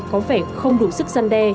có vẻ không đủ sức gian đe